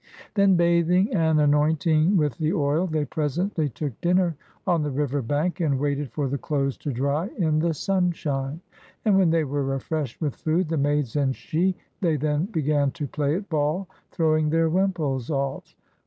Then bathing and anointing with the oil, they presently took dinner on the river bank and waited for the clothes to dry in the sun shine. And when they were refreshed with food, the maids and she, they then began to play at ball, throwing their wimples ofif.